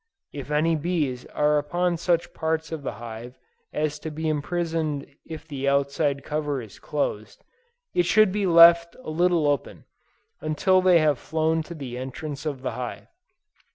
If any bees are upon such parts of the hive as to be imprisoned if the outside cover is closed, it should be left a little open, until they have flown to the entrance of the hive.